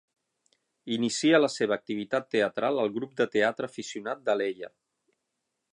Inicia la seva activitat teatral al grup de teatre aficionat d'Alella.